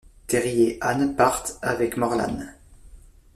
Terry et Anne partent avec Morlan.